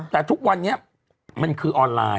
แต่ทุกวันนี้มันคือออนไลน์